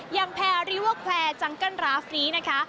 ยังแพรรีเวอร์แควร์จังกันราฟนี้นะคะ